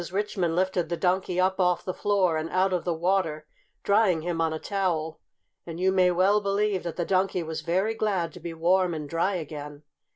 Richmond lifted the Donkey up off the floor and out of the water, drying him on a towel. And you may well believe that the Donkey was very glad to be warm and dry again.